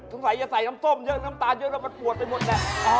สงสัยจะใส่น้ำส้มเยอะน้ำตาลเยอะแล้วมันปวดไปหมดแหละ